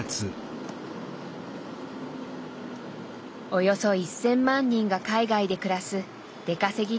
およそ１，０００万人が海外で暮らす出稼ぎ